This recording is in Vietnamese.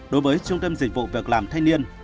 đối với trung tâm dịch vụ việc làm thanh niên